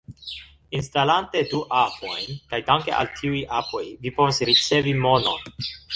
Instalante du apojn, kaj danke al tiuj apoj vi povas ricevi monon